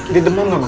dia demam gak mak